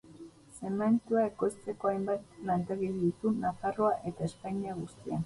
Zementua ekoizteko hainbat lantegi ditu Nafarroa eta Espainia guztian.